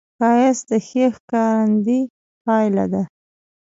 ښایست د ښې ښکارندې پایله ده